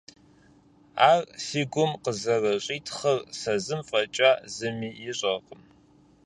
Ар си гум къызэрыщӀитхъыр сэ зым фӀэкӀа зыми ищӀэркъым…